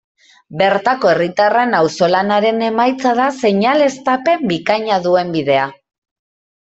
Bertako herritarren auzolanaren emaitza da seinaleztapen bikaina duen bidea.